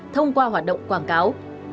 thông qua hoạt động quảng cáo